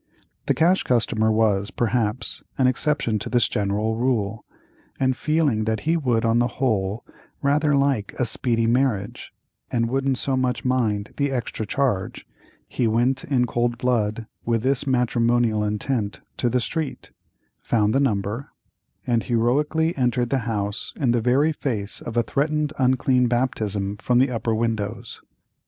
The Cash Customer was, perhaps, an exception to this general rule, and feeling that he would on the whole rather like a "speedy marriage," and wouldn't so much mind the "extra charge," he went, in cold blood, with this matrimonial intent to the street, found the number, and heroically entered the house in the very face of a threatened unclean baptism from the upper windows.